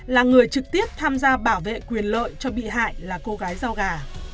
là người trực tiếp tham gia bảo vệ quyền lợi cho bị hại là cô gái giao gà